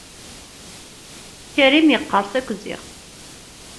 Karim yeqqers akk ziɣ.